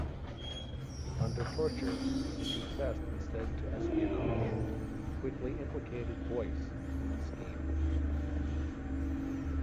Under torture he confessed instead to espionage, quickly implicating Boyce in the scheme.